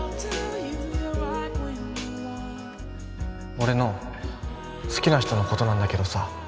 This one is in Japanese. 俺の好きな人のことなんだけどさ